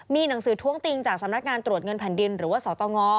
มีหนังสือท้วงติงจากสำนักงานตรวจเงินแผ่นดินหรือว่าสตง